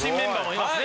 います。